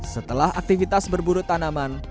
setelah aktivitas berburu tanaman